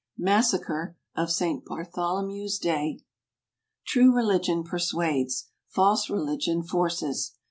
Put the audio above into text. Massacre of St. Bartholomew's day. True religion persuades, false religion forces.